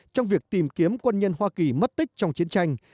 trong việc tìm kiếm quân nhân hoa kỳ mất tích trong chiến tranh